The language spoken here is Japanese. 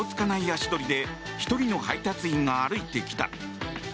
足取りで１人の配達員が歩いてきた。